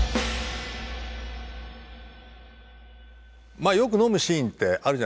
まあよく飲むシーンってあるじゃないですか。